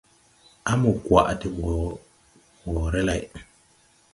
A mo gwaʼ de ɓɔ woore lay.